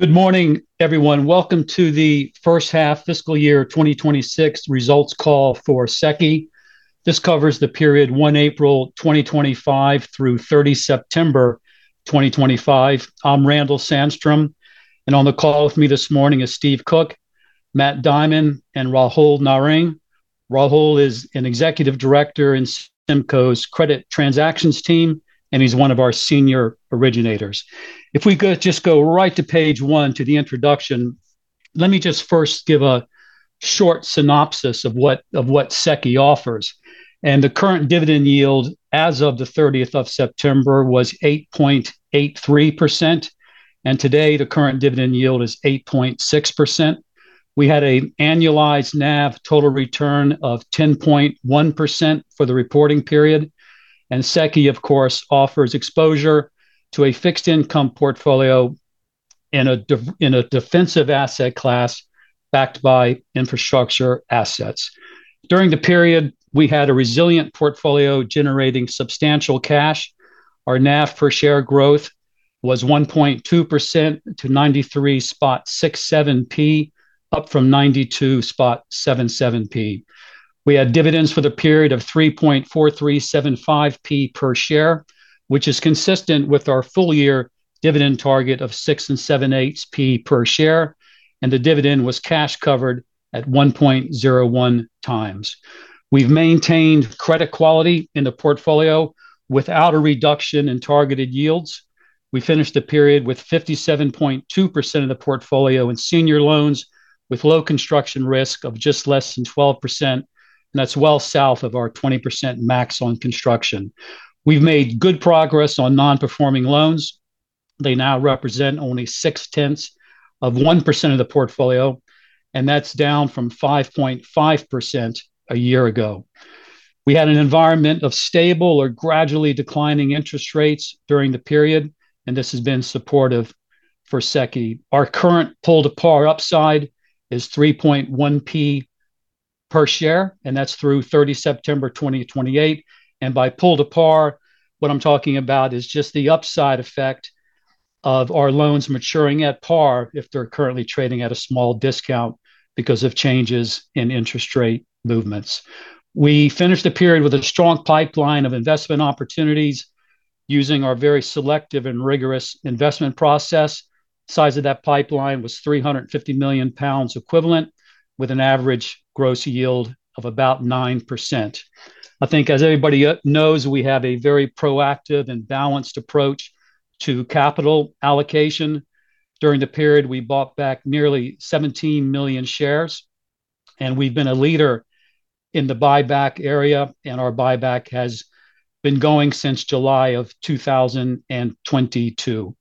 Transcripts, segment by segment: Good morning, everyone. Welcome to the first half fiscal year 2026 results call for SEQI. This covers the period 1 April 2025 through 30 September 2025. I'm Randall Sandstrom, and on the call with me this morning are Steve Cook, Matt Diamond, and Rahul Narang. Rahul is an Executive Director in SIMCo's credit transactions team, and he's one of our senior originators. If we could just go right to page one to the introduction, let me just first give a short synopsis of what SEQI offers. The current dividend yield as of the 30th of September was 8.83%, and today the current dividend yield is 8.6%. We had an annualized NAV total return of 10.1% for the reporting period. SEQI, of course, offers exposure to a fixed income portfolio in a defensive asset class backed by infrastructure assets. During the period, we had a resilient portfolio generating substantial cash. Our NAV per share growth was 1.2% to 0.9367, up from 0.9277. We had dividends for the period of 0.034375 per share, which is consistent with our full year dividend target of 0.06875 per share, and the dividend was cash covered at 1.01x times. We've maintained credit quality in the portfolio without a reduction in targeted yields. We finished the period with 57.2% of the portfolio in senior loans with low construction risk of just less than 12%, and that's well south of our 20% max on construction. We've made good progress on non-performing loans. They now represent only 0.6% of the portfolio, and that's down from 5.5% a year ago. We had an environment of stable or gradually declining interest rates during the period, and this has been supportive for SEQI. Our current pull-to-par upside is 0.031 per share, and that is through 30 September 2028. By pull-to-par, what I am talking about is just the upside effect of our loans maturing at par if they are currently trading at a small discount because of changes in interest rate movements. We finished the period with a strong pipeline of investment opportunities using our very selective and rigorous investment process. The size of that pipeline was 350 million pounds equivalent, with an average gross yield of about 9%. I think, as everybody knows, we have a very proactive and balanced approach to capital allocation. During the period, we bought back nearly 17 million shares, and we have been a leader in the buyback area, and our buyback has been going since July of 2022.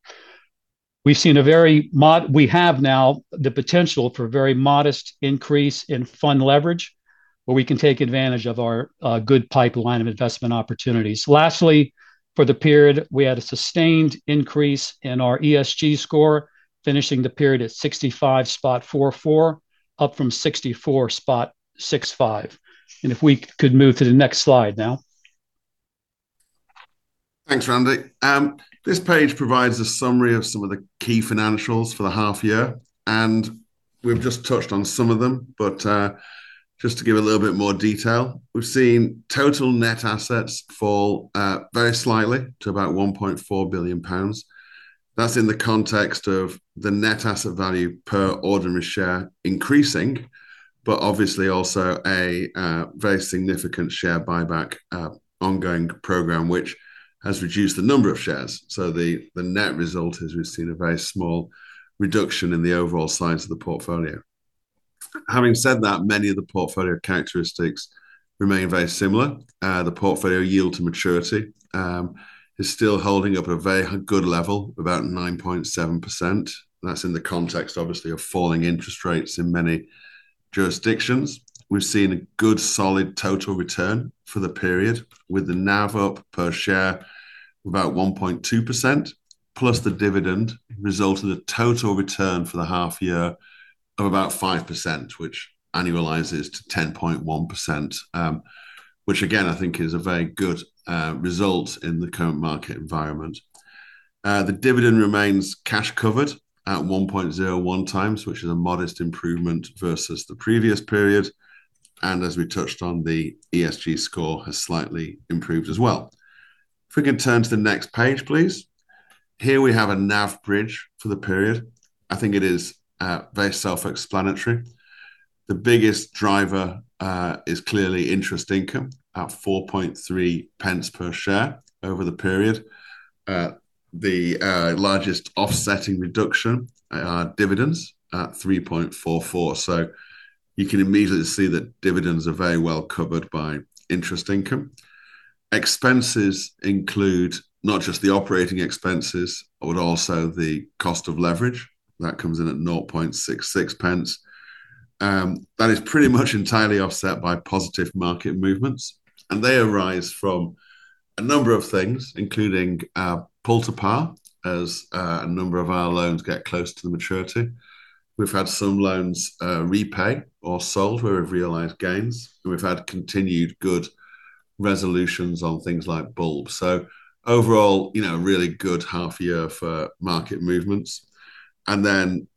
We've seen a very modest—we have now the potential for a very modest increase in fund leverage, where we can take advantage of our good pipeline of investment opportunities. Lastly, for the period, we had a sustained increase in our ESG score, finishing the period at 65.44, up from 64.65. If we could move to the next slide now. Thanks, Randy. This page provides a summary of some of the key financials for the half year, and we've just touched on some of them, but just to give a little bit more detail, we've seen total net assets fall very slightly to about 1.4 billion pounds. That's in the context of the net asset value per ordinary share increasing, but obviously also a very significant share buyback ongoing program, which has reduced the number of shares. The net result is we've seen a very small reduction in the overall size of the portfolio. Having said that, many of the portfolio characteristics remain very similar. The portfolio yield to maturity is still holding up at a very good level, about 9.7%. That's in the context, obviously, of falling interest rates in many jurisdictions. We've seen a good solid total return for the period, with the NAV up per share of about 1.2%, plus the dividend resulting in a total return for the half year of about 5%, which annualizes to 10.1%, which again, I think is a very good result in the current market environment. The dividend remains cash covered at 1.01x times, which is a modest improvement versus the previous period. As we touched on, the ESG score has slightly improved as well. If we can turn to the next page, please. Here we have a NAV bridge for the period. I think it is very self-explanatory. The biggest driver is clearly interest income at 0.043 p per share over the period. The largest offsetting reduction are dividends at 3.44. You can immediately see that dividends are very well covered by interest income. Expenses include not just the operating expenses, but also the cost of leverage. That comes in at 0.066. That is pretty much entirely offset by positive market movements, and they arise from a number of things, including pull-to-par as a number of our loans get close to the maturity. We've had some loans repay or sold where we've realized gains, and we've had continued good resolutions on things like Bulb. Overall, you know, a really good half year for market movements.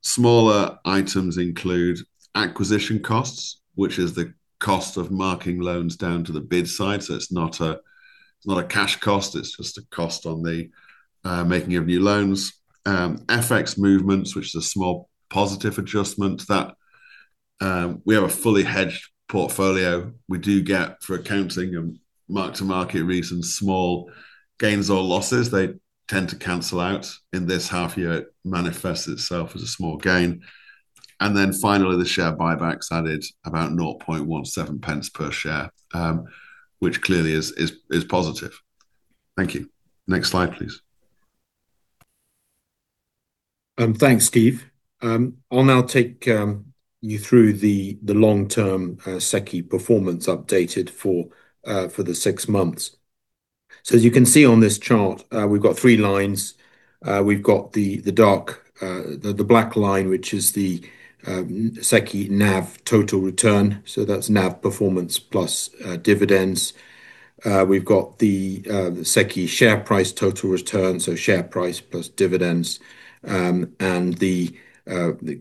Smaller items include acquisition costs, which is the cost of marking loans down to the bid side. It is not a cash cost. It is just a cost on the making of new loans. FX movements, which is a small positive adjustment that we have a fully hedged portfolio. We do get for accounting and mark-to-market reasons, small gains or losses. They tend to cancel out. In this half year, it manifests itself as a small gain. Finally, the share buybacks added about 0.017 per share, which clearly is positive. Thank you. Next slide, please. Thanks, Steve. I'll now take you through the long-term SEQI performance updated for the six months. As you can see on this chart, we've got three lines. We've got the dark, the black line, which is the SEQI NAV total return. That's NAV performance plus dividends. We've got the SEQI share price total return, so share price plus dividends, and the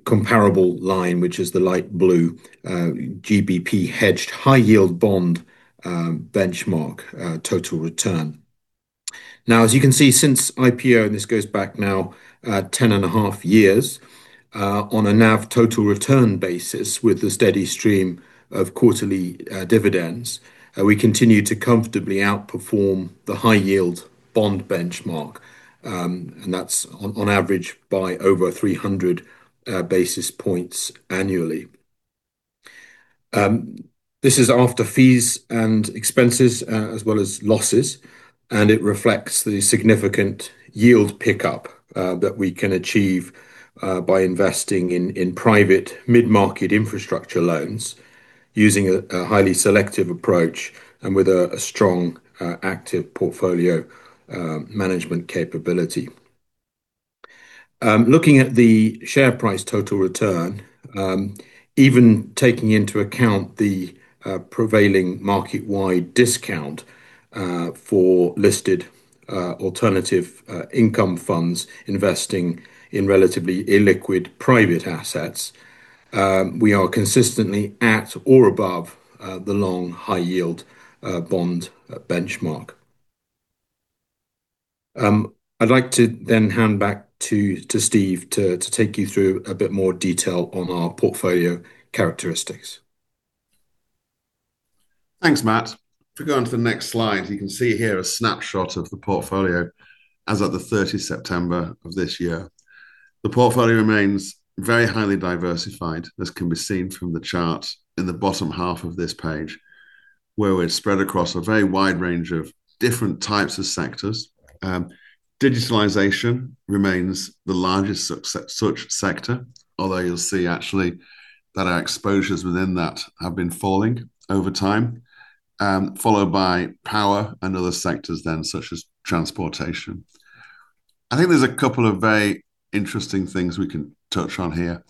comparable line, which is the light blue, GBP hedged high yield bond benchmark total return. As you can see, since IPO, and this goes back now 10 and a half years, on a NAV total return basis, with the steady stream of quarterly dividends, we continue to comfortably outperform the high yield bond benchmark, and that's on average by over 300 basis points annually. This is after fees and expenses as well as losses, and it reflects the significant yield pickup that we can achieve by investing in private mid-market infrastructure loans using a highly selective approach and with a strong active portfolio management capability. Looking at the share price total return, even taking into account the prevailing market-wide discount for listed alternative income funds investing in relatively illiquid private assets, we are consistently at or above the long high yield bond benchmark. I'd like to then hand back to Steve to take you through a bit more detail on our portfolio characteristics. Thanks, Matt. If we go on to the next slide, you can see here a snapshot of the portfolio as of the 30th of September of this year. The portfolio remains very highly diversified, as can be seen from the chart in the bottom half of this page, where we're spread across a very wide range of different types of sectors. Digitalization remains the largest such sector, although you'll see actually that our exposures within that have been falling over time, followed by power and other sectors then such as transportation. I think there's a couple of very interesting things we can touch on here.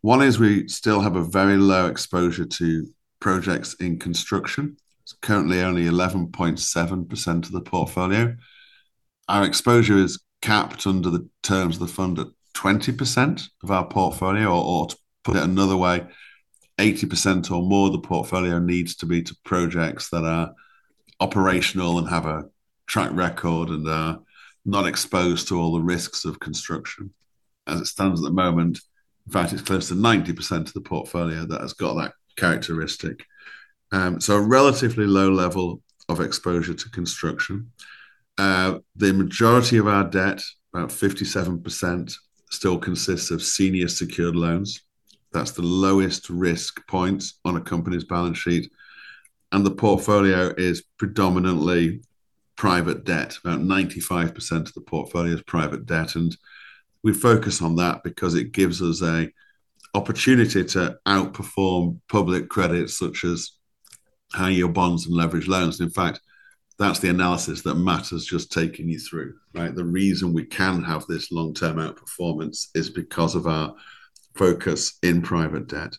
One is we still have a very low exposure to projects in construction. It's currently only 11.7% of the portfolio. Our exposure is capped under the terms of the fund at 20% of our portfolio, or put it another way, 80% or more of the portfolio needs to be to projects that are operational and have a track record and are not exposed to all the risks of construction. As it stands at the moment, in fact, it's close to 90% of the portfolio that has got that characteristic. A relatively low level of exposure to construction. The majority of our debt, about 57%, still consists of senior secured loans. That's the lowest risk point on a company's balance sheet, and the portfolio is predominantly private debt. About 95% of the portfolio is private debt, and we focus on that because it gives us an opportunity to outperform public credits such as high yield bonds and leverage loans. In fact, that's the analysis that Matt has just taken you through, right? The reason we can have this long-term outperformance is because of our focus in private debt.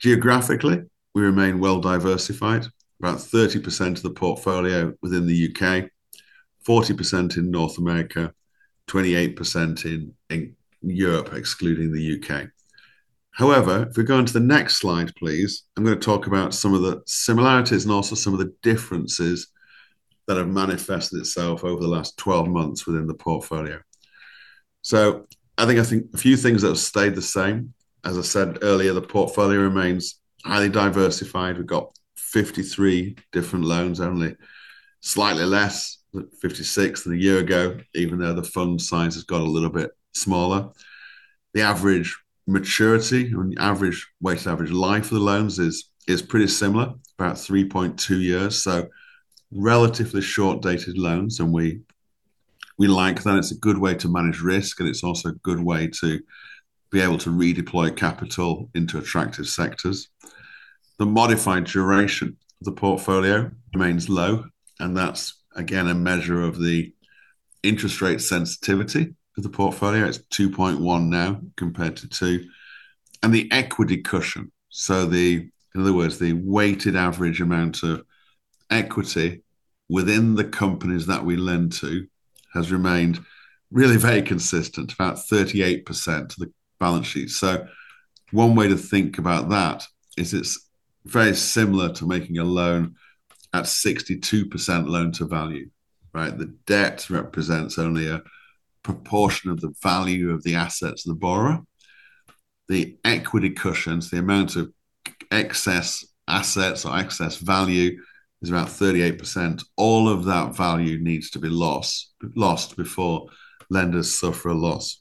Geographically, we remain well diversified. About 30% of the portfolio within the U.K., 40% in North America, 28% in Europe, excluding the U.K. If we go on to the next slide, please, I'm going to talk about some of the similarities and also some of the differences that have manifested itself over the last 12 months within the portfolio. I think a few things that have stayed the same. As I said earlier, the portfolio remains highly diversified. We've got 53 different loans only, slightly less than 56 than a year ago, even though the fund size has got a little bit smaller. The average maturity and average weighted average life of the loans is pretty similar, about 3.2 years. Relatively short-dated loans, and we like that. It's a good way to manage risk, and it's also a good way to be able to redeploy capital into attractive sectors. The modified duration of the portfolio remains low, and that's again a measure of the interest rate sensitivity of the portfolio. It's 2.1 now compared to 2. The equity cushion, so in other words, the weighted average amount of equity within the companies that we lend to has remained really very consistent, about 38% of the balance sheet. One way to think about that is it's very similar to making a loan at 62% loan to value, right? The debt represents only a proportion of the value of the assets of the borrower. The equity cushions, the amount of excess assets or excess value, is about 38%. All of that value needs to be lost before lenders suffer a loss.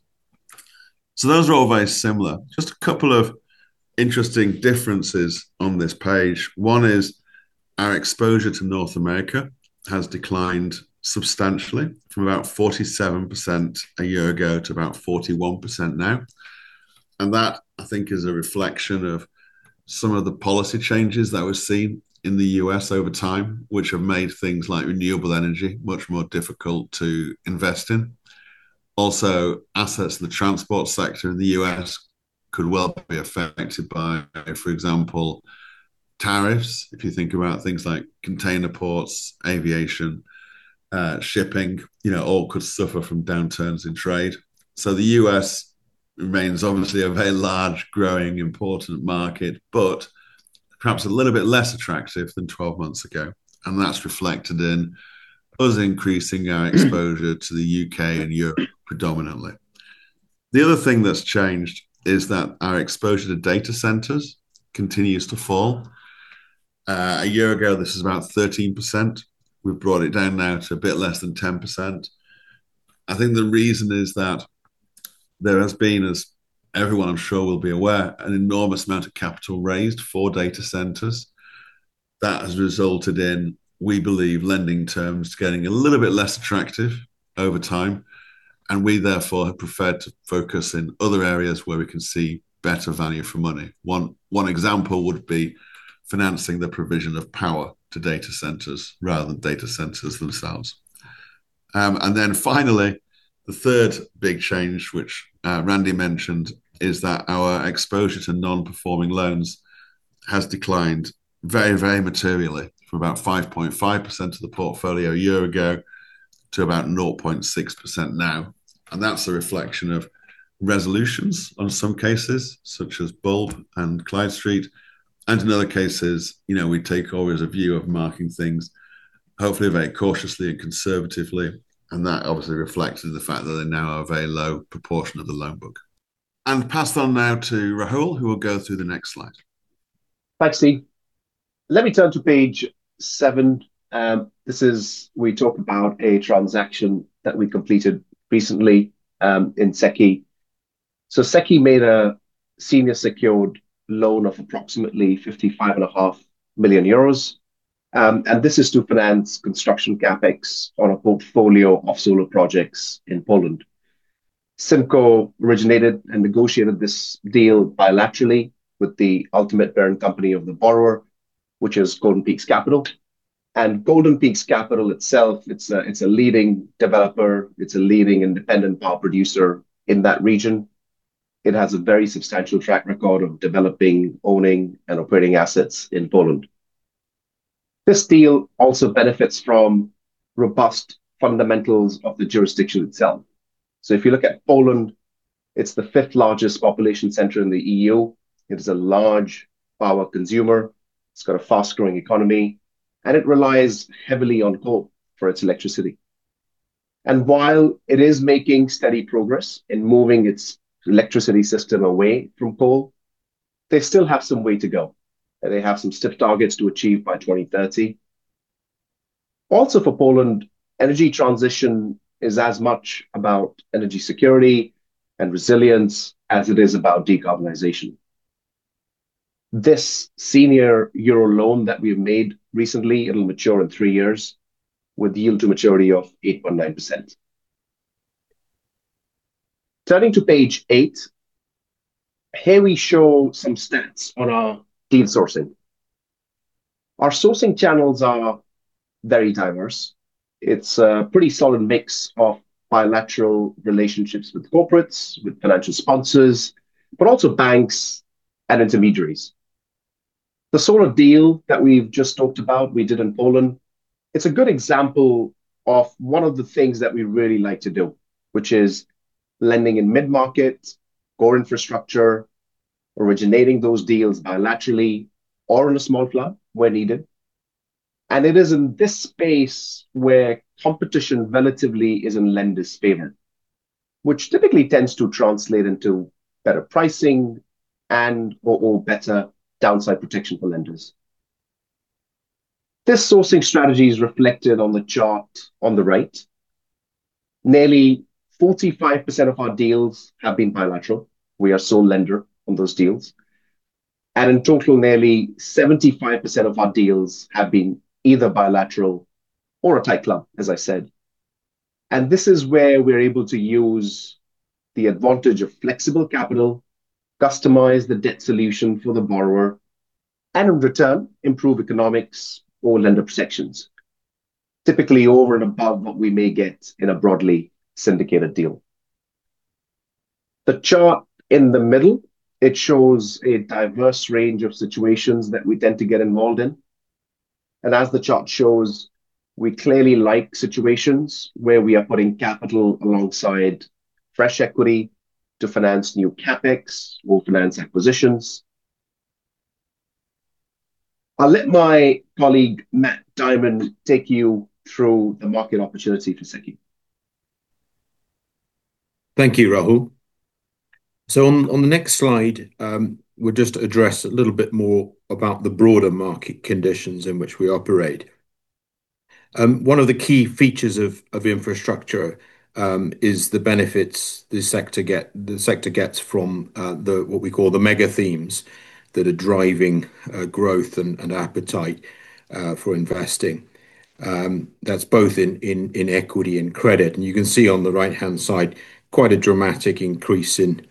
Those are all very similar. Just a couple of interesting differences on this page. One is our exposure to North America has declined substantially from about 47% a year ago to about 41% now. I think that is a reflection of some of the policy changes that we have seen in the U.S. over time, which have made things like renewable energy much more difficult to invest in. Also, assets in the transport sector in the U.S. could well be affected by, for example, tariffs. If you think about things like container ports, aviation, shipping, all could suffer from downturns in trade. The U.S. remains obviously a very large, growing, important market, but perhaps a little bit less attractive than 12 months ago. That is reflected in us increasing our exposure to the U.K. and Europe predominantly. The other thing that has changed is that our exposure to data centers continues to fall. A year ago, this was about 13%. We have brought it down now to a bit less than 10%. I think the reason is that there has been, as everyone I am sure will be aware, an enormous amount of capital raised for data centers. That has resulted in, we believe, lending terms getting a little bit less attractive over time, and we therefore have preferred to focus in other areas where we can see better value for money. One example would be financing the provision of power to data centers rather than data centers themselves. Finally, the third big change, which Randy mentioned, is that our exposure to non-performing loans has declined very, very materially from about 5.5% of the portfolio a year ago to about 0.6% now. That is a reflection of resolutions on some cases, such as Bulb and Clyde Street. In other cases, we take always a view of marking things hopefully very cautiously and conservatively. That obviously reflects in the fact that they now are a very low proportion of the loan book. I will pass on now to Rahul, who will go through the next slide. Thanks, Steve. Let me turn to page seven. This is where we talk about a transaction that we completed recently in SEQI. SEQI made a senior secured loan of approximately 55.5 million euros, and this is to finance construction CapEx on a portfolio of solar projects in Poland. SIMCo originated and negotiated this deal bilaterally with the ultimate parent company of the borrower, which is Golden Peaks Capital. Golden Peaks Capital itself, it's a leading developer. It's a leading independent power producer in that region. It has a very substantial track record of developing, owning, and operating assets in Poland. This deal also benefits from robust fundamentals of the jurisdiction itself. If you look at Poland, it's the fifth largest population center in the EU. It is a large power consumer. It's got a fast-growing economy, and it relies heavily on coal for its electricity. While it is making steady progress in moving its electricity system away from coal, they still have some way to go. They have some stiff targets to achieve by 2030. Also, for Poland, energy transition is as much about energy security and resilience as it is about decarbonization. This senior EUR loan that we have made recently, it will mature in three years with yield to maturity of 8.9%. Turning to page eight, here we show some stats on our deal sourcing. Our sourcing channels are very diverse. It is a pretty solid mix of bilateral relationships with corporates, with financial sponsors, but also banks and intermediaries. The solar deal that we've just talked about, we did in Poland, it's a good example of one of the things that we really like to do, which is lending in mid-market, core infrastructure, originating those deals bilaterally or in a small club where needed. It is in this space where competition relatively is in lenders' favor, which typically tends to translate into better pricing and/or better downside protection for lenders. This sourcing strategy is reflected on the chart on the right. Nearly 45% of our deals have been bilateral. We are sole lender on those deals. In total, nearly 75% of our deals have been either bilateral or a tight club, as I said. This is where we're able to use the advantage of flexible capital, customize the debt solution for the borrower, and in return, improve economics or lender protections, typically over and above what we may get in a broadly syndicated deal. The chart in the middle shows a diverse range of situations that we tend to get involved in. As the chart shows, we clearly like situations where we are putting capital alongside fresh equity to finance new CapEx or finance acquisitions. I'll let my colleague, Matt Diamond, take you through the market opportunity for SEQI. Thank you, Rahul. On the next slide, we'll just address a little bit more about the broader market conditions in which we operate. One of the key features of infrastructure is the benefits the sector gets from what we call the mega themes that are driving growth and appetite for investing. That's both in equity and credit. You can see on the right-hand side, quite a dramatic increase in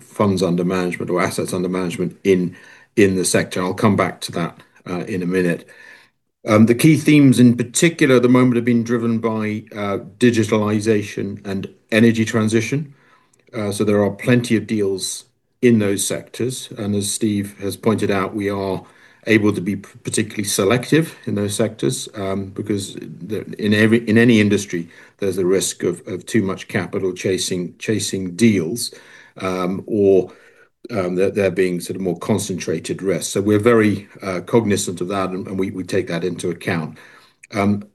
funds under management or assets under management in the sector. I'll come back to that in a minute. The key themes in particular at the moment have been driven by digitalization and energy transition. There are plenty of deals in those sectors. As Steve has pointed out, we are able to be particularly selective in those sectors because in any industry, there is a risk of too much capital chasing deals or there being sort of more concentrated risks. We are very cognizant of that, and we take that into account.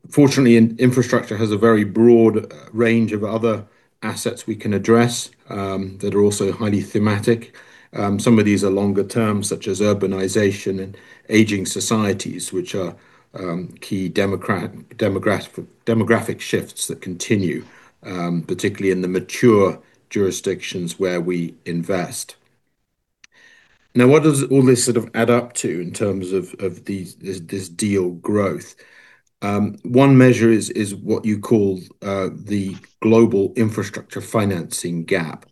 Fortunately, infrastructure has a very broad range of other assets we can address that are also highly thematic. Some of these are longer term, such as urbanization and aging societies, which are key demographic shifts that continue, particularly in the mature jurisdictions where we invest. Now, what does all this sort of add up to in terms of this deal growth? One measure is what you call the global infrastructure financing gap.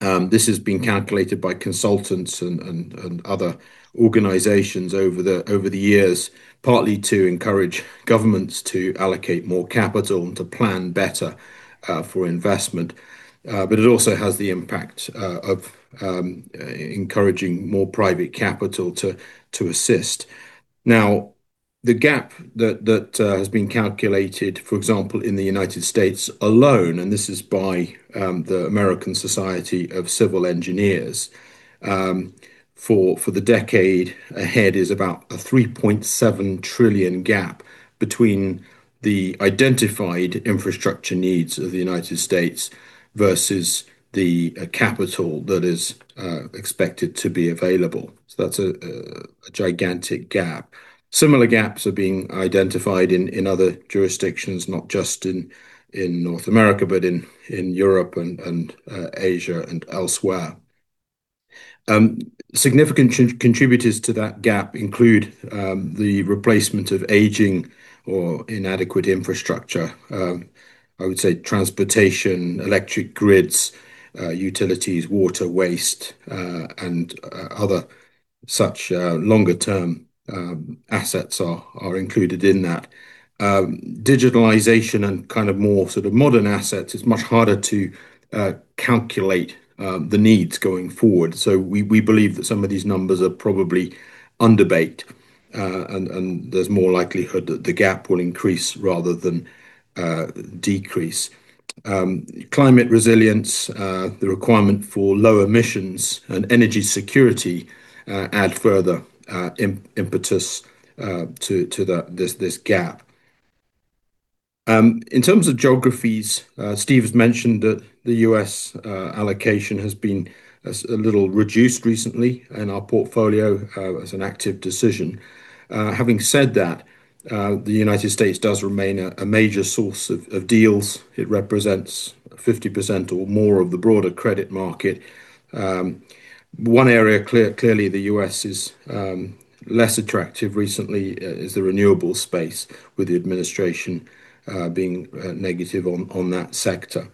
This has been calculated by consultants and other organizations over the years, partly to encourage governments to allocate more capital and to plan better for investment. It also has the impact of encouraging more private capital to assist. Now, the gap that has been calculated, for example, in the U.S. alone, and this is by the American Society of Civil Engineers for the decade ahead, is about a $3.7 trillion gap between the identified infrastructure needs of the U.S. versus the capital that is expected to be available. That is a gigantic gap. Similar gaps are being identified in other jurisdictions, not just in North America, but in Europe and Asia and elsewhere. Significant contributors to that gap include the replacement of aging or inadequate infrastructure. I would say transportation, electric grids, utilities, water, waste, and other such longer-term assets are included in that. Digitalization and kind of more sort of modern assets is much harder to calculate the needs going forward. We believe that some of these numbers are probably underbate, and there's more likelihood that the gap will increase rather than decrease. Climate resilience, the requirement for low emissions and energy security add further impetus to this gap. In terms of geographies, Steve has mentioned that the U.S. allocation has been a little reduced recently in our portfolio as an active decision. Having said that, the United States does remain a major source of deals. It represents 50% or more of the broader credit market. One area, clearly, the U.S. is less attractive recently is the renewables space, with the administration being negative on that sector.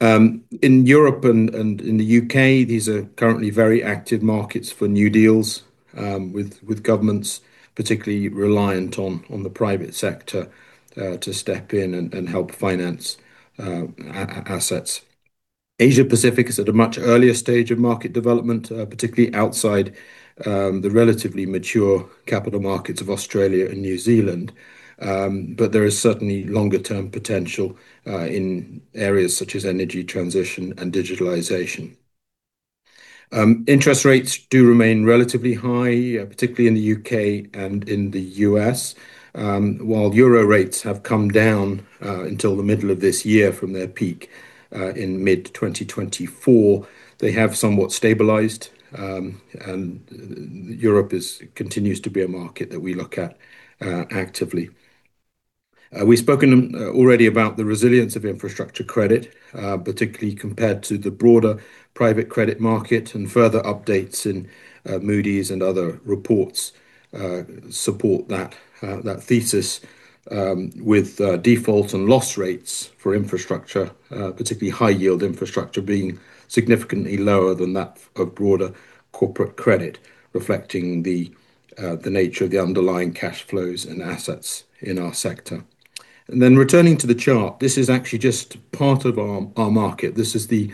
In Europe and in the U.K., these are currently very active markets for new deals with governments, particularly reliant on the private sector to step in and help finance assets. Asia-Pacific is at a much earlier stage of market development, particularly outside the relatively mature capital markets of Australia and New Zealand. There is certainly longer-term potential in areas such as energy transition and digitalization. Interest rates do remain relatively high, particularly in the U.K. and in the U.S. While euro rates have come down until the middle of this year from their peak in mid-2024, they have somewhat stabilized, and Europe continues to be a market that we look at actively. We've spoken already about the resilience of infrastructure credit, particularly compared to the broader private credit market, and further updates in Moody's and other reports support that thesis with defaults and loss rates for infrastructure, particularly high-yield infrastructure, being significantly lower than that of broader corporate credit, reflecting the nature of the underlying cash flows and assets in our sector. Returning to the chart, this is actually just part of our market. This is the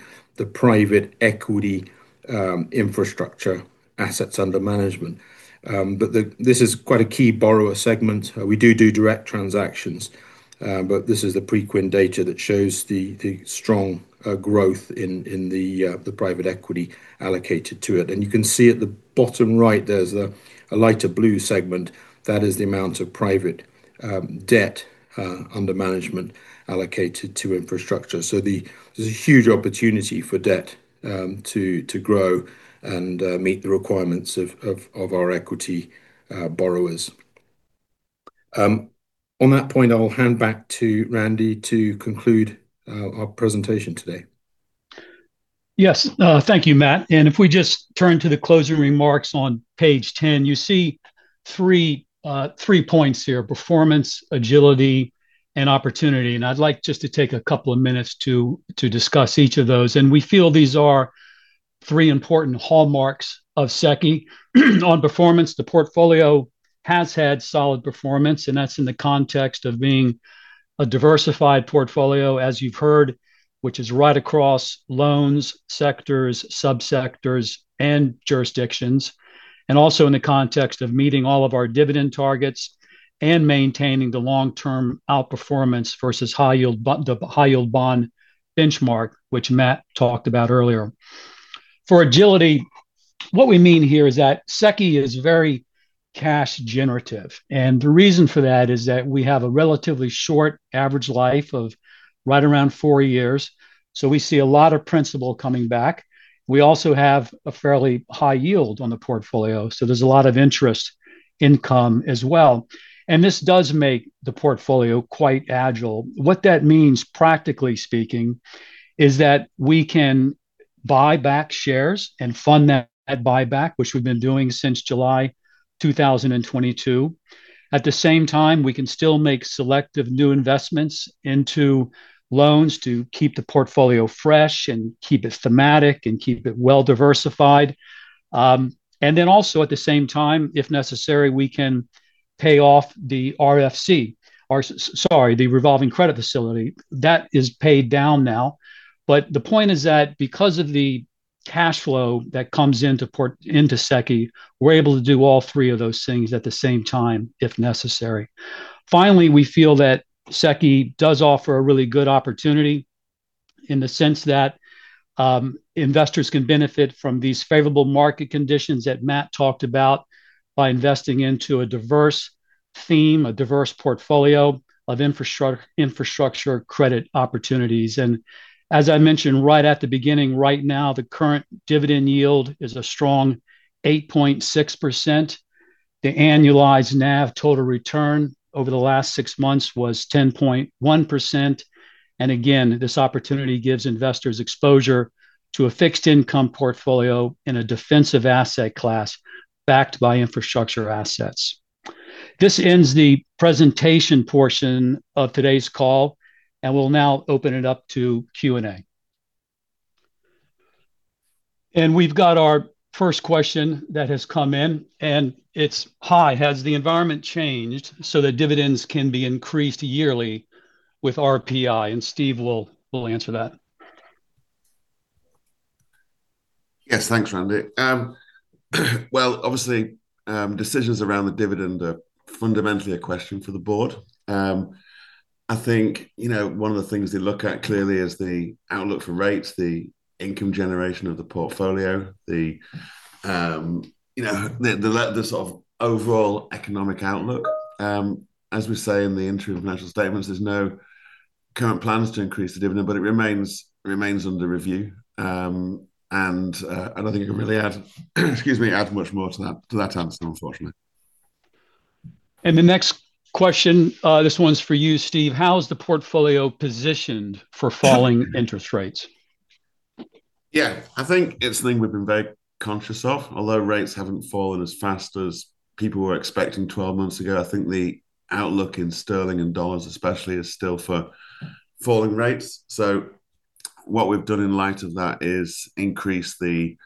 private equity infrastructure assets under management. This is quite a key borrower segment. We do do direct transactions, but this is the Preqin data that shows the strong growth in the private equity allocated to it. You can see at the bottom right, there is a lighter blue segment. That is the amount of private debt under management allocated to infrastructure. There is a huge opportunity for debt to grow and meet the requirements of our equity borrowers. On that point, I will hand back to Randy to conclude our presentation today. Yes, thank you, Matt. If we just turn to the closing remarks on page 10, you see three points here: performance, agility, and opportunity. I would like just to take a couple of minutes to discuss each of those. We feel these are three important hallmarks of SEQI. On performance, the portfolio has had solid performance, and that's in the context of being a diversified portfolio, as you've heard, which is right across loans, sectors, subsectors, and jurisdictions, and also in the context of meeting all of our dividend targets and maintaining the long-term outperformance versus the high-yield bond benchmark, which Matt talked about earlier. For agility, what we mean here is that SEQI is very cash-generative. The reason for that is that we have a relatively short average life of right around four years. We see a lot of principal coming back. We also have a fairly high yield on the portfolio. There is a lot of interest income as well. This does make the portfolio quite agile. What that means, practically speaking, is that we can buy back shares and fund that buyback, which we've been doing since July 2022. At the same time, we can still make selective new investments into loans to keep the portfolio fresh and keep it thematic and keep it well-diversified. Also, at the same time, if necessary, we can pay off the RCF, sorry, the revolving credit facility. That is paid down now. The point is that because of the cash flow that comes into SEQI, we're able to do all three of those things at the same time, if necessary. Finally, we feel that SEQI does offer a really good opportunity in the sense that investors can benefit from these favorable market conditions that Matt talked about by investing into a diverse theme, a diverse portfolio of infrastructure credit opportunities. As I mentioned right at the beginning, right now, the current dividend yield is a strong 8.6%. The annualized NAV total return over the last six months was 10.1%. Again, this opportunity gives investors exposure to a fixed-income portfolio in a defensive asset class backed by infrastructure assets. This ends the presentation portion of today's call, and we will now open it up to Q&A. We have our first question that has come in, and it is: "Hi, has the environment changed so that dividends can be increased yearly with RPI?" Steve will answer that. Yes, thanks, Randy. Obviously, decisions around the dividend are fundamentally a question for the board. I think one of the things they look at clearly is the outlook for rates, the income generation of the portfolio, the sort of overall economic outlook. As we say in the interim financial statements, there are no current plans to increase the dividend, but it remains under review. I do not think I can really add, excuse me, add much more to that answer, unfortunately. The next question, this one's for you, Steve. How is the portfolio positioned for falling interest rates? Yeah, I think it's something we've been very conscious of. Although rates haven't fallen as fast as people were expecting 12 months ago, I think the outlook in sterling and dollars especially is still for falling rates. What we've done in light of that is increase the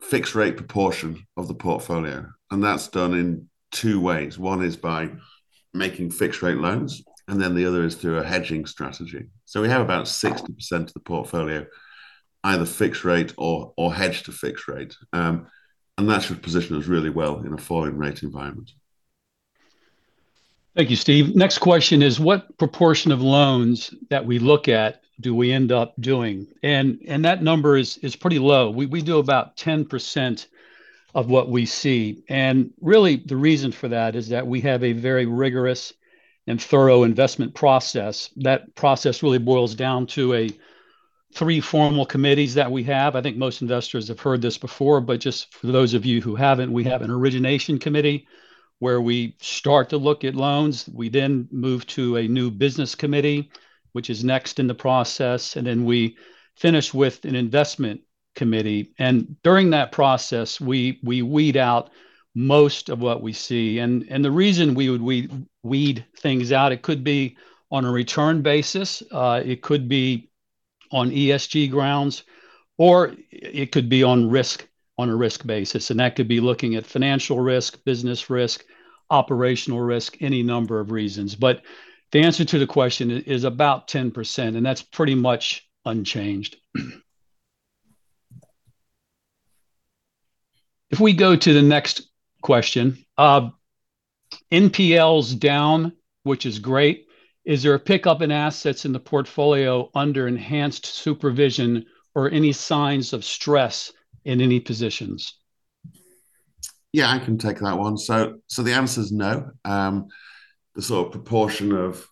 fixed-rate proportion of the portfolio. That's done in two ways. One is by making fixed-rate loans, and the other is through a hedging strategy. We have about 60% of the portfolio either fixed-rate or hedged to fixed-rate. That should position us really well in a falling-rate environment. Thank you, Steve. Next question is: "What proportion of loans that we look at do we end up doing?" That number is pretty low. We do about 10% of what we see. Really, the reason for that is that we have a very rigorous and thorough investment process. That process really boils down to three formal committees that we have. I think most investors have heard this before, but just for those of you who have not, we have an origination committee where we start to look at loans. We then move to a new business committee, which is next in the process. We finish with an investment committee. During that process, we weed out most of what we see. The reason we would weed things out, it could be on a return basis. It could be on ESG grounds, or it could be on a risk basis. That could be looking at financial risk, business risk, operational risk, any number of reasons. The answer to the question is about 10%, and that's pretty much unchanged. If we go to the next question, "NPLs down, which is great. Is there a pickup in assets in the portfolio under enhanced supervision or any signs of stress in any positions? Yeah, I can take that one. The answer is no. The sort of proportion of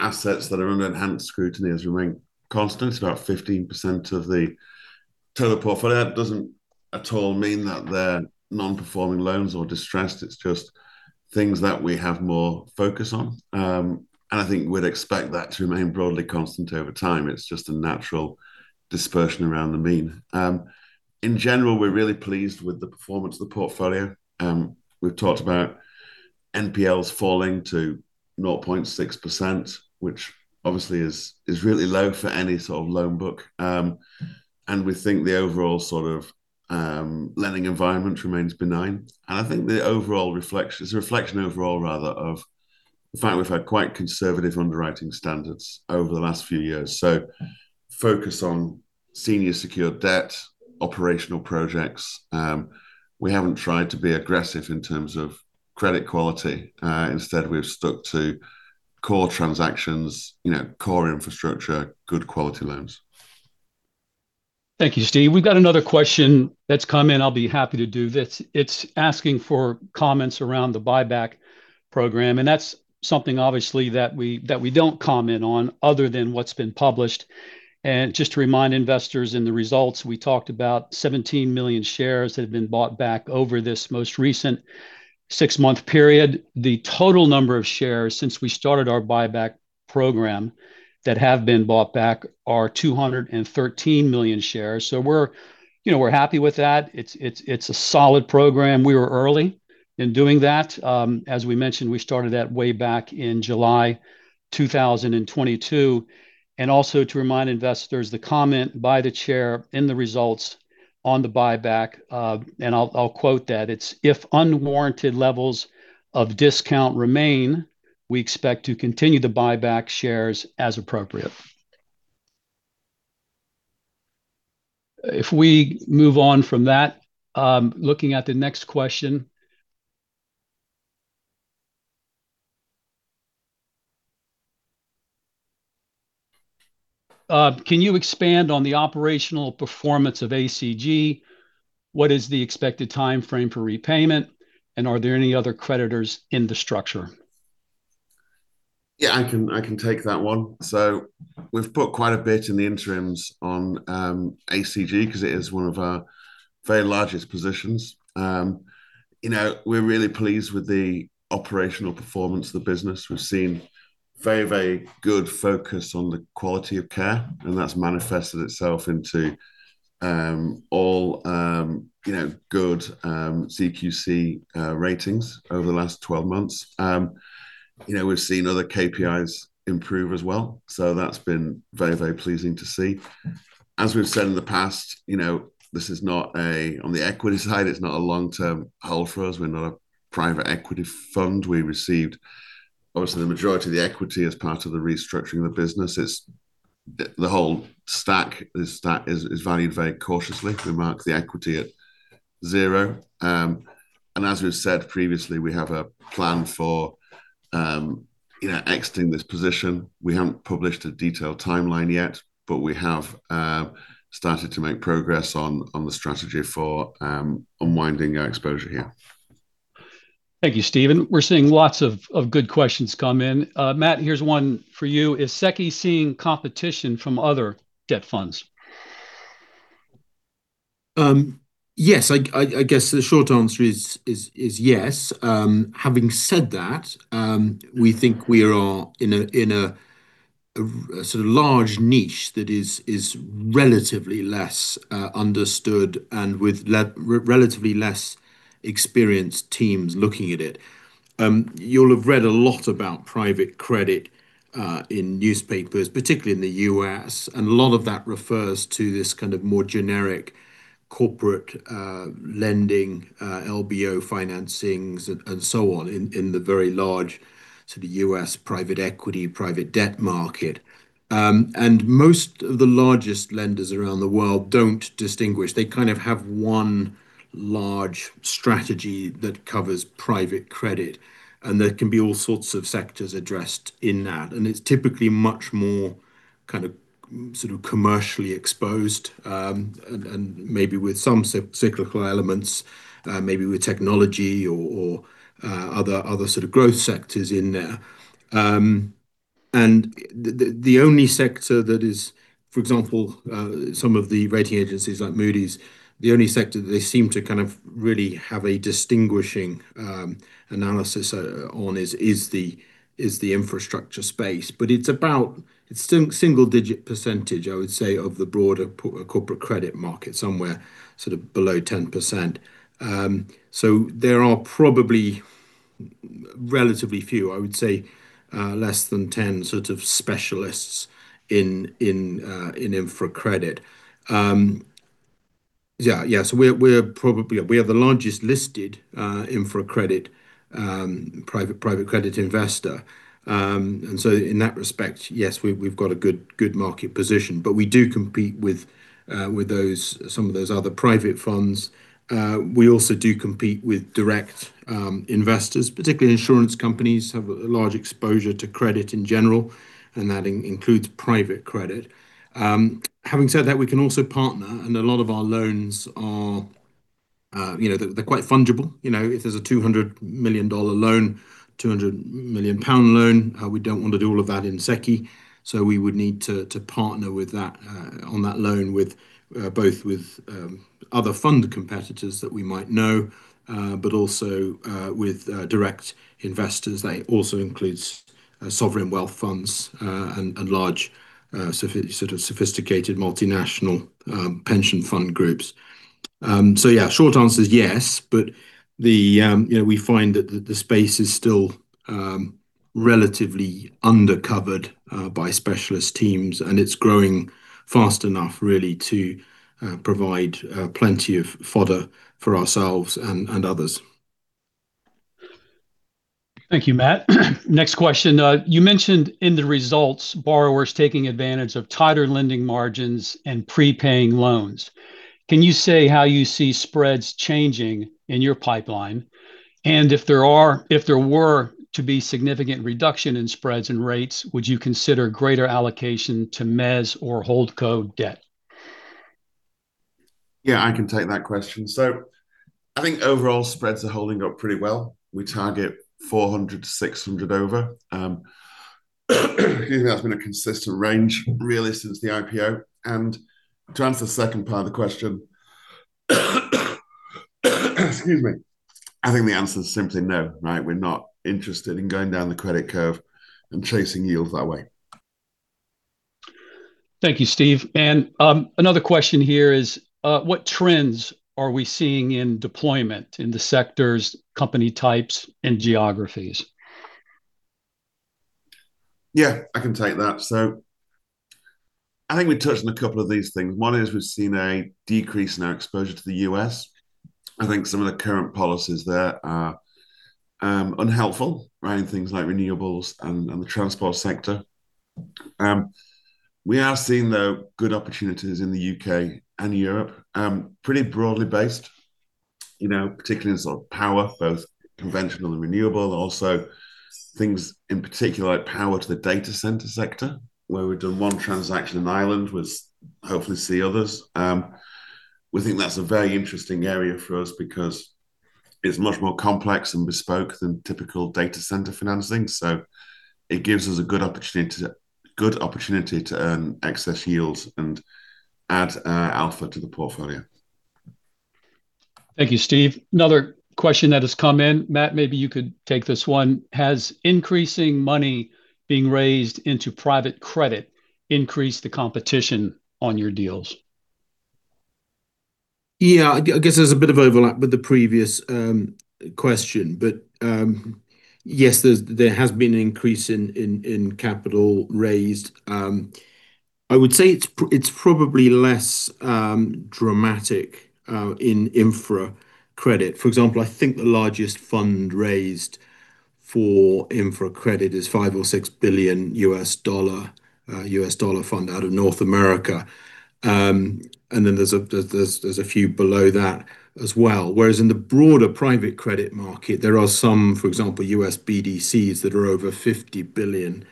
assets that are under enhanced scrutiny has remained constant. It's about 15% of the total portfolio. That doesn't at all mean that they're non-performing loans or distressed. It's just things that we have more focus on. I think we'd expect that to remain broadly constant over time. It's just a natural dispersion around the mean. In general, we're really pleased with the performance of the portfolio. We've talked about NPLs falling to 0.6%, which obviously is really low for any sort of loan book. We think the overall sort of lending environment remains benign. I think the overall reflection is a reflection overall, rather, of the fact we've had quite conservative underwriting standards over the last few years. Focus on senior secured debt, operational projects. We haven't tried to be aggressive in terms of credit quality. Instead, we've stuck to core transactions, core infrastructure, good quality loans. Thank you, Steve. We've got another question that's come in. I'll be happy to do this. It's asking for comments around the buyback program. That is something, obviously, that we don't comment on other than what's been published. Just to remind investors in the results, we talked about 17 million shares that have been bought back over this most recent six-month period. The total number of shares since we started our buyback program that have been bought back are 213 million shares. We are happy with that. It's a solid program. We were early in doing that. As we mentioned, we started that way back in July 2022. Also to remind investors, the comment by the chair in the results on the buyback, and I'll quote that, "If unwarranted levels of discount remain, we expect to continue to buy back shares as appropriate." If we move on from that, looking at the next question, "Can you expand on the operational performance of ACG? What is the expected timeframe for repayment? And are there any other creditors in the structure? Yeah, I can take that one. We have put quite a bit in the interims on ACG because it is one of our very largest positions. We are really pleased with the operational performance of the business. We have seen very, very good focus on the quality of care, and that has manifested itself into all good CQC ratings over the last 12 months. We have seen other KPIs improve as well. That has been very, very pleasing to see. As we have said in the past, this is not a, on the equity side, it is not a long-term hold for us. We are not a private equity fund. We received, obviously, the majority of the equity as part of the restructuring of the business. The whole stack is valued very cautiously. We mark the equity at zero. As we have said previously, we have a plan for exiting this position. We haven't published a detailed timeline yet, but we have started to make progress on the strategy for unwinding our exposure here. Thank you, Steve. We're seeing lots of good questions come in. Matt, here's one for you. Is SEQI seeing competition from other debt funds? Yes, I guess the short answer is yes. Having said that, we think we are in a sort of large niche that is relatively less understood and with relatively less experienced teams looking at it. You'll have read a lot about private credit in newspapers, particularly in the U.S. A lot of that refers to this kind of more generic corporate lending, LBO financings, and so on in the very large sort of U.S. private equity, private debt market. Most of the largest lenders around the world do not distinguish. They kind of have one large strategy that covers private credit. There can be all sorts of sectors addressed in that. It is typically much more kind of sort of commercially exposed and maybe with some cyclical elements, maybe with technology or other sort of growth sectors in there. The only sector that is, for example, some of the rating agencies like Moody's, the only sector that they seem to kind of really have a distinguishing analysis on is the infrastructure space. It is about a single-digit percentage, I would say, of the broader corporate credit market, somewhere sort of below 10%. There are probably relatively few, I would say less than 10 sort of specialists in infra credit. Yeah, yeah. We are probably the largest listed infra credit private credit investor. In that respect, yes, we have got a good market position. We do compete with some of those other private funds. We also do compete with direct investors. Particularly, insurance companies have a large exposure to credit in general, and that includes private credit. Having said that, we can also partner, and a lot of our loans are quite fungible. If there's a $200 million loan, 200 million pound loan, we don't want to do all of that in SEQI. We would need to partner on that loan both with other fund competitors that we might know, but also with direct investors. That also includes sovereign wealth funds and large sort of sophisticated multinational pension fund groups. Yeah, short answer is yes. We find that the space is still relatively undercovered by specialist teams, and it's growing fast enough, really, to provide plenty of fodder for ourselves and others. Thank you, Matt. Next question. You mentioned in the results, borrowers taking advantage of tighter lending margins and prepaying loans. Can you say how you see spreads changing in your pipeline? If there were to be significant reduction in spreads and rates, would you consider greater allocation to Mez or Holdco debt? Yeah, I can take that question. I think overall spreads are holding up pretty well. We target 400-600 over. That has been a consistent range, really, since the IPO. To answer the second part of the question, excuse me, I think the answer is simply no, right? We're not interested in going down the credit curve and chasing yields that way. Thank you, Steve. Another question here is, what trends are we seeing in deployment in the sectors, company types, and geographies? Yeah, I can take that. I think we've touched on a couple of these things. One is we've seen a decrease in our exposure to the U.S. I think some of the current policies there are unhelpful, right? In things like renewables and the transport sector. We are seeing, though, good opportunities in the U.K. and Europe, pretty broadly based, particularly in sort of power, both conventional and renewable. Also, things in particular like power to the data center sector, where we've done one transaction in Ireland, and we hopefully see others. We think that's a very interesting area for us because it's much more complex and bespoke than typical data center financing. It gives us a good opportunity to earn excess yields and add alpha to the portfolio. Thank you, Steve. Another question that has come in. Matt, maybe you could take this one. Has increasing money being raised into private credit increased the competition on your deals? Yeah, I guess there's a bit of overlap with the previous question. But yes, there has been an increase in capital raised. I would say it's probably less dramatic in infra credit. For example, I think the largest fund raised for infra credit is $5 billion-$6 billion fund out of North America. And then there's a few below that as well. Whereas in the broader private credit market, there are some, for example, US BDCs that are over $50 billion.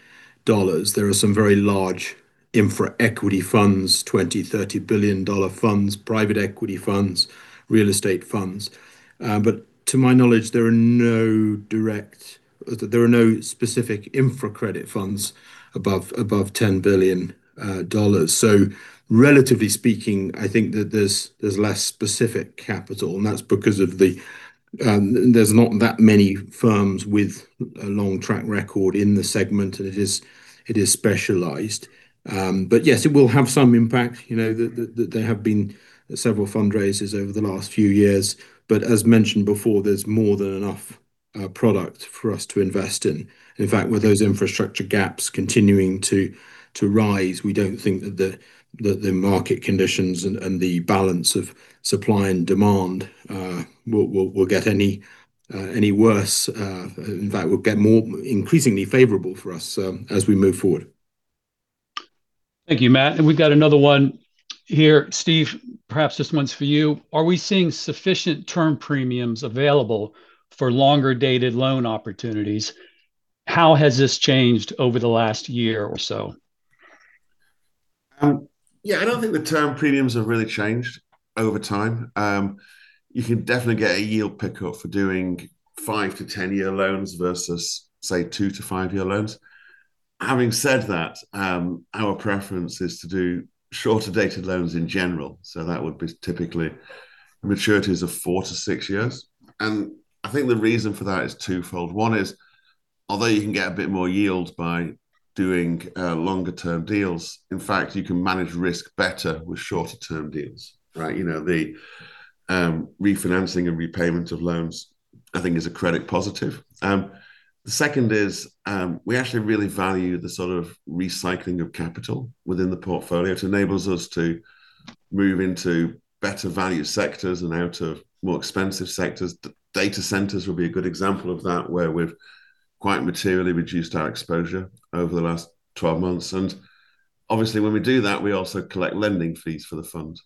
There are some very large infra equity funds, $20 billion-$30 billion funds, private equity funds, real estate funds. But to my knowledge, there are no direct, there are no specific infra credit funds above $10 billion. So relatively speaking, I think that there's less specific capital. And that's because there's not that many firms with a long track record in the segment, and it is specialized. Yes, it will have some impact. There have been several fundraisers over the last few years. As mentioned before, there's more than enough product for us to invest in. In fact, with those infrastructure gaps continuing to rise, we do not think that the market conditions and the balance of supply and demand will get any worse. In fact, it will get more increasingly favorable for us as we move forward. Thank you, Matt. We have got another one here. Steve, perhaps this one is for you. Are we seeing sufficient term premiums available for longer-dated loan opportunities? How has this changed over the last year or so? Yeah, I don't think the term premiums have really changed over time. You can definitely get a yield pickup for doing five- to ten-year loans versus, say, two- to five-year loans. Having said that, our preference is to do shorter-dated loans in general. That would be typically maturities of four to six years. I think the reason for that is twofold. One is, although you can get a bit more yield by doing longer-term deals, you can manage risk better with shorter-term deals, right? The refinancing and repayment of loans, I think, is a credit positive. The second is we actually really value the sort of recycling of capital within the portfolio. It enables us to move into better-value sectors and out of more expensive sectors. Data centers would be a good example of that, where we've quite materially reduced our exposure over the last 12 months. Obviously, when we do that, we also collect lending fees for the fund.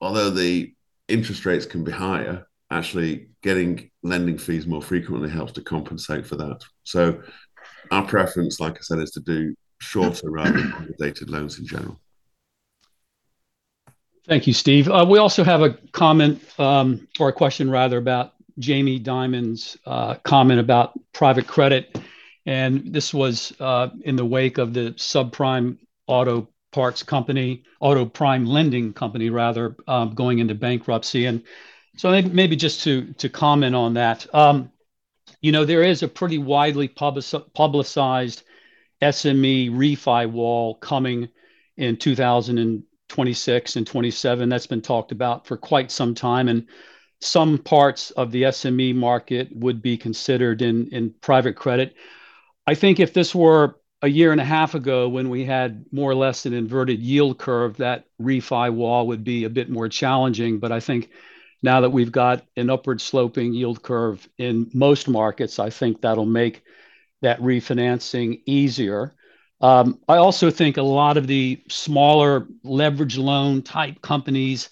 Although the interest rates can be higher, actually getting lending fees more frequently helps to compensate for that. Our preference, like I said, is to do shorter rather than longer-dated loans in general. Thank you, Steve. We also have a comment or a question, rather, about Jamie Dimon's comment about private credit. This was in the wake of the Subprime Auto Parts Company, Auto Prime Lending Company, rather, going into bankruptcy. Maybe just to comment on that, there is a pretty widely publicized SME refi wall coming in 2026 and 2027. That has been talked about for quite some time. Some parts of the SME market would be considered in private credit. I think if this were a year and a half ago when we had more or less an inverted yield curve, that refi wall would be a bit more challenging. I think now that we have an upward-sloping yield curve in most markets, that will make that refinancing easier. I also think a lot of the smaller leveraged loan-type companies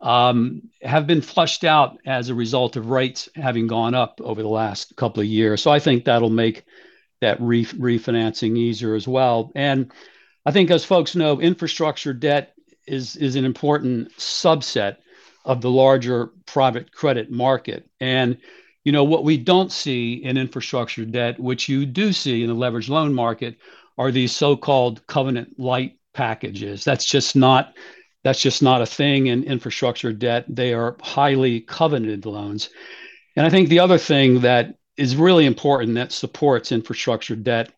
have been flushed out as a result of rates having gone up over the last couple of years. I think that'll make that refinancing easier as well. I think, as folks know, infrastructure debt is an important subset of the larger private credit market. What we don't see in infrastructure debt, which you do see in the leveraged loan market, are these so-called covenant-lite packages. That's just not a thing in infrastructure debt. They are highly covenanted loans. I think the other thing that is really important that supports infrastructure debt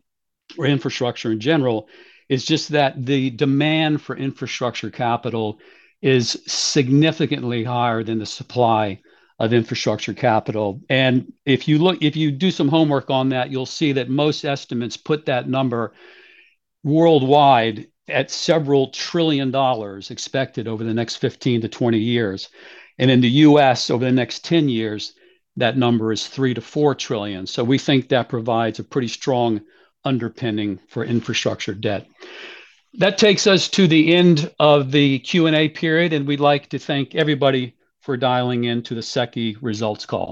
or infrastructure in general is just that the demand for infrastructure capital is significantly higher than the supply of infrastructure capital. If you do some homework on that, you'll see that most estimates put that number worldwide at several trillion dollars expected over the next 15-20 years. In the U.S., over the next 10 years, that number is $3 trillion-$4 trillion. We think that provides a pretty strong underpinning for infrastructure debt. That takes us to the end of the Q&A period. We would like to thank everybody for dialing into the SEQI results call.